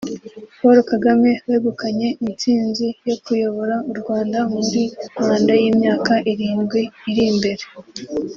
Paul Kagame wegukanye intsinzi yo kuyobora u Rwanda muri manda y’imyaka irindwi iri imbere